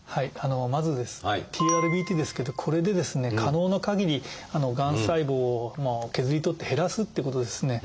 まずですね「ＴＵＲＢＴ」ですけどこれでですね可能なかぎりがん細胞を削り取って減らすっていうことですね。